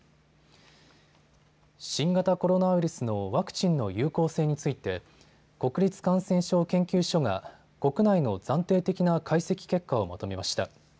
新型コロナウイルスのワクチンの有効性について国立感染症研究所が国内の暫定的な解析結果をまとめました。